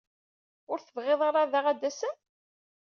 Ur tebɣid ara daɣ ad d-asen?